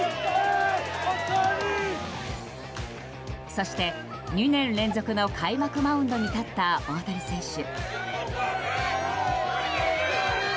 そして、２年連続の開幕マウンドに立った大谷選手。